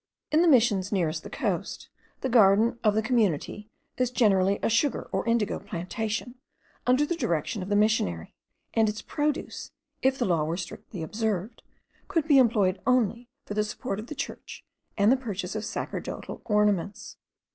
In the missions nearest the coast the garden of the community is generally a sugar or indigo plantation, under the direction of the missionary; and its produce, if the law were strictly observed, could be employed only for the support of the church and the purchase of sacerdotal ornaments.